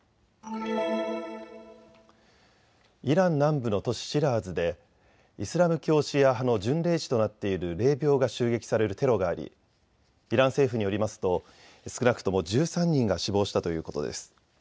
イラン南部の都市シラーズでイスラム教シーア派の巡礼地となっている霊びょうが襲撃されるテロがありイラン政府によりますと少なくとも１３人が死亡したということです。